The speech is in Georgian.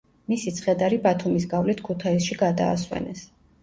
მისი ცხედარი ბათუმის გავლით ქუთაისში გადაასვენეს.